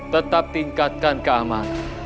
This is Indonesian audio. tetap tingkatkan keamanan